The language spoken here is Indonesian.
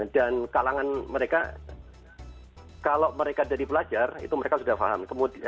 dan kalangan mereka kalau mereka dari belajar itu mereka sudah paham